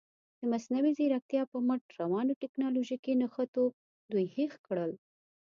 د مصنوعي زیرکتیا په مټ روانو تکنالوژیکي نښتو دوی هېښ کړل.